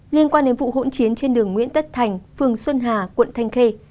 liên quan đến vụ hỗn chiến trên đường nguyễn tất thành phường xuân hà quận thanh khê